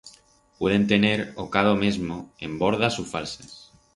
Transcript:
Pueden tener o cado mesmo en bordas u falsas.